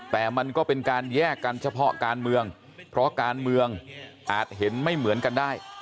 แต่มันก็เป็นการแยกกันเฉพาะการเมืองเพราะการเมืองอาจเห็นไม่เหมือนกันได้